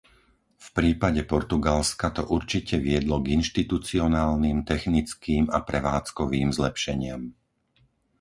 V prípade Portugalska to určite viedlo k inštitucionálnym, technickým a prevádzkovým zlepšeniam.